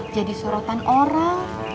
jadi sorotan orang